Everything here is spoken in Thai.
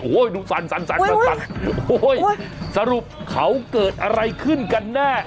โอ้โหดูสั่นโอ้ยสรุปเขาเกิดอะไรขึ้นกันแน่